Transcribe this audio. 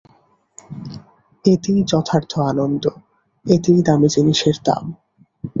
এতেই যথার্থ আনন্দ, এতেই দামি জিনিসের দাম।